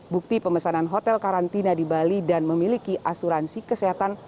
bukti pemesanan hotel karantina di bali dan memiliki asuransi kesehatan